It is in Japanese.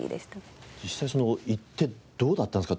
実際行ってどうだったんですか？